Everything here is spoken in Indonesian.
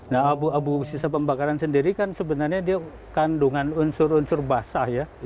nah abu abu sisa pembakaran sendiri kan sebenarnya dia kandungan unsur unsur basah ya